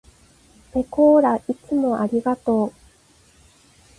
ぺこーらいつもありがとう。